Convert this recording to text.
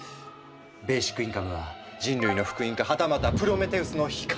ベーシックインカムは人類の福音かはたまたプロメテウスの火か。